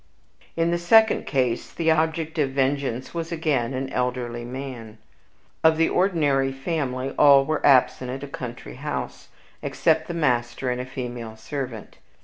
In the second case, the object of vengeance was again an elderly man. Of the ordinary family, all were absent at a country house, except the master and a female servant.